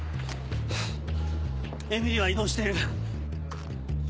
えみりは移動している。